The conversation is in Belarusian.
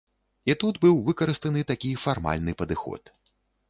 І тут быў выкарыстаны такі фармальны падыход.